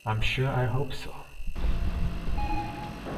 I'm sure I hope so.